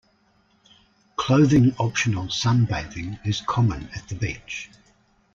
Clothing-optional sunbathing is common at the beach.